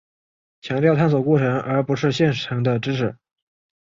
强调探究过程而不是现成的知识。